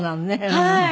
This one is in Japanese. はい！